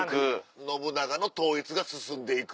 信長の統一が進んで行く。